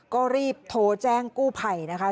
ก็รีบโทรแจ้งกู้ภัยนะคะ